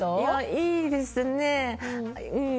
いいですねうん。